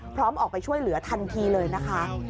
ออกไปช่วยเหลือทันทีเลยนะคะ